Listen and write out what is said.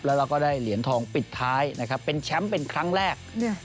แล้วเราก็ได้เหรียญทองปิดท้ายนะครับเป็นแชมป์เป็นครั้งแรก